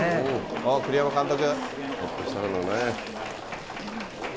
栗山監督。